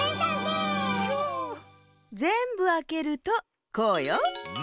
ぜんぶあけるとこうよ。